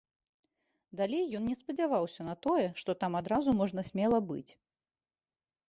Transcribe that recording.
Далей ён не спадзяваўся на тое, што там адразу можна смела быць.